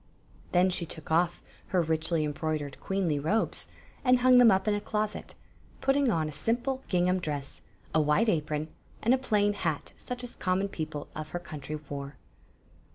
Then she took off her richly embroidered queenly robes, and hung them up in a closet, putting on a simple gingham dress, a white aprcm, and a fAaan hat such as common people of her country wore.